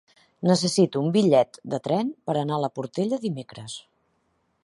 Necessito un bitllet de tren per anar a la Portella dimecres.